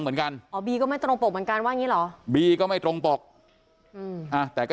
เหมือนกันบีก็ไม่ตรงปกกันว่างี้หรอบีก็ไม่ตรงปกแต่ก็